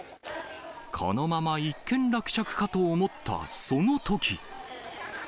このまま一件落着かと思ったそのとき。